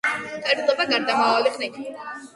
თარიღდება გარდამავალი ხანით.